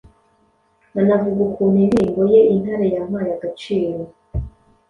Anavuga ukuntu indirimbo ye "Intare yampaye agaciro"